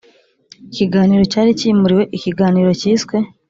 ikiganiro cyari cyimuriwe. ikiganiro cyiswe